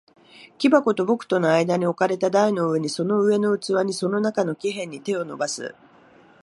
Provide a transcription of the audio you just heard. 木箱と僕との間に置かれた台の上に、その上の器に、その中の木片に、手を伸ばす。